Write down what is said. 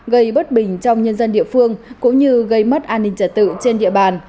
gây bất bình trong nhân dân địa phương cũng như gây mất an ninh trả tự trên địa bàn